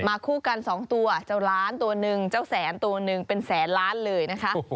คู่กันสองตัวเจ้าล้านตัวหนึ่งเจ้าแสนตัวหนึ่งเป็นแสนล้านเลยนะคะ